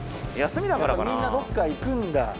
みんなどっか行くんだ。